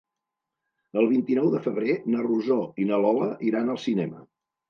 El vint-i-nou de febrer na Rosó i na Lola iran al cinema.